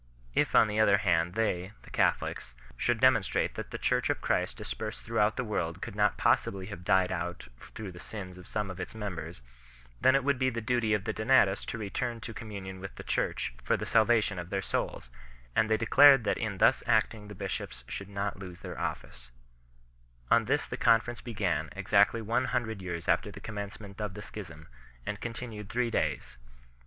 If on the other hand they (the Catholics) should demonstrate that the Church of Christ dispersed throughout the world could not possibly have died out through the sins of some of its members, then it would be the duty of the Donatists to return to communion with the Church for the salvation of their souls ; and they declared that in thus acting the bishops should not lose their office \ On this the conference began, exactly one hundred years after the commence ment of the schism, and continued three days.